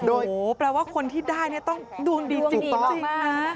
โอ้โฮแปลว่าคนที่ได้ต้องดวงดีจริงมาก